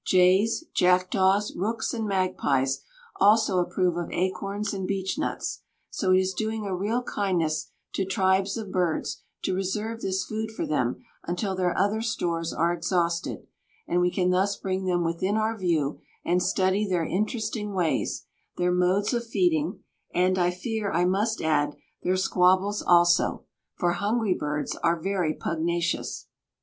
Jays, jackdaws, rooks, and magpies also approve of acorns and beech nuts, so it is doing a real kindness to tribes of birds to reserve this food for them until their other stores are exhausted, and we can thus bring them within our view and study their interesting ways, their modes of feeding, and, I fear I must add, their squabbles also, for hungry birds are very pugnacious.